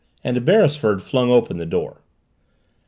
And Beresford flung open the door.